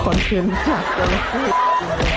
คอนเทนท์หลักกันเลย